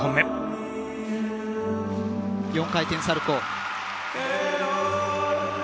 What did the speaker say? ４回転サルコウ。